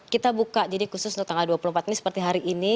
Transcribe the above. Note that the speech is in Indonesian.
kita buka jadi khusus untuk tanggal dua puluh empat ini seperti hari ini